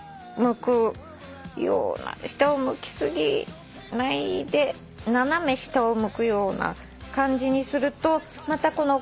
下を向き過ぎないで斜め下を向くような感じにすると首の後ろの僧帽筋